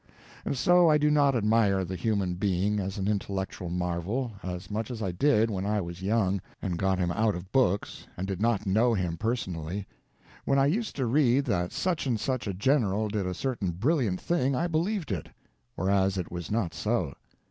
And so I do not admire the human being—as an intellectual marvel—as much as I did when I was young, and got him out of books, and did not know him personally. When I used to read that such and such a general did a certain brilliant thing, I believed it. Whereas it was not so.